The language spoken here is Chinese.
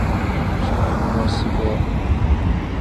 生于墨西哥特拉斯卡拉州特拉斯卡拉市。